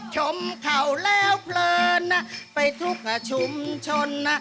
ชมเขาแล้วเพลินไปทุกชุมชนนะ